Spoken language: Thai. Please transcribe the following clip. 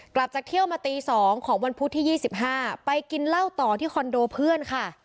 กลับจากเที่ยวมาตี๒ของวันพุธที่๒๕ไปกินเหล้าต่อที่คอนโดเพื่อนค่ะ